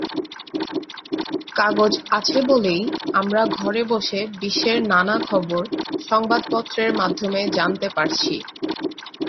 কাগজ আছে বলেই আমরা ঘরে বসে বিশ্বের নানা খবর সংবাদপত্রের মাধ্যমে জানতে পারছি।